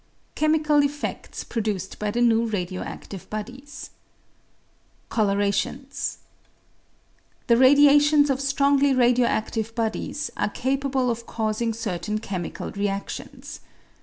Chemical Effects produced by the Neza Radio active Bodies. Colourations. — The radiations of strongly radio adive bodies are capable of causing certain chemical readions.